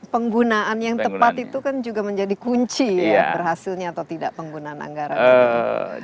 penggunaan yang tepat itu kan juga menjadi kunci ya berhasilnya atau tidak penggunaan anggaran